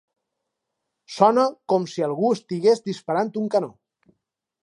Sona com si algú estigués disparant un canó.